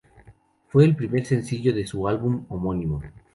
Fue el primer sencillo de su álbum "homónimo".